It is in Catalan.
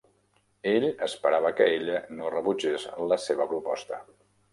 Ell esperava que ella no rebutgés la seva proposta